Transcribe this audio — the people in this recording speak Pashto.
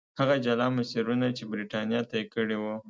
هغه جلا مسیرونه چې برېټانیا طی کړي وو.